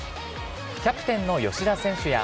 キャプテンの吉田選手や、